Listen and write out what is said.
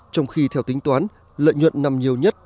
trong khi theo tính toán lợi nhuận nằm nhiều nhất